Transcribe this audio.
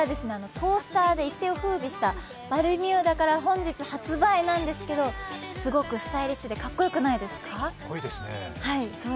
トースターで一世をふうびしたバルミューダから本日発売なんですけど、すごくスタイリッシュでかっこよくないですか。